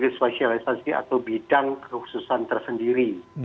psikologi forensik adalah kondisi spesialisasi atau bidang kerususan tersendiri